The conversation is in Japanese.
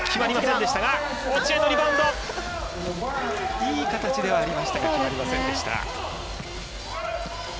いい形ではありましたが決まりませんでした。